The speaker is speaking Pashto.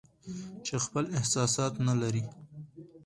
چې خپل احساسات نه لري